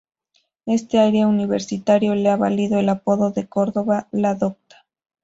Este "aire" universitario le ha valido el apodo de Córdoba, la docta.